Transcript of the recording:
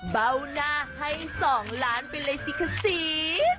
เบาหน้าให้สองล้านไปเลยสิคะซิส